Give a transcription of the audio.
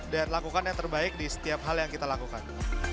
dan lakukan yang terbaik di setiap hal yang kita lakukan